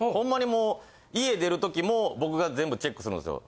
もう家出るときも僕が全部チェックするんですよ。